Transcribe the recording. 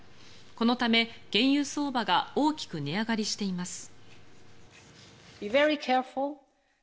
このため原油相場が大きく値上がりしています。